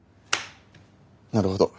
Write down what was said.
なるほど。